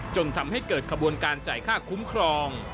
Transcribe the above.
จนทำให้เกิดขบวนการจ่ายค่าคุ้มครอง